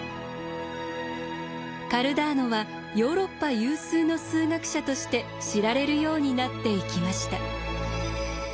カルダーノはヨーロッパ有数の数学者として知られるようになっていきました。